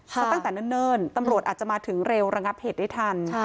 ก็ตั้งแต่เนิ่นตำรวจอาจจะมาถึงเร็วระงับเหตุได้ทัน